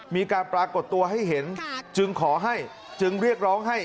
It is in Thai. มีการปรากฏตัวให้เห็นจึงขอให้จึงเรียกร้องให้